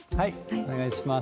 お願いします。